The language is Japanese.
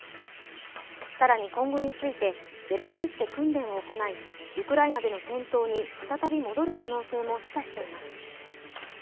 更に今後について、ベラルーシで訓練を行い、ウクライナでの戦闘に再び戻る可能性も示唆しています。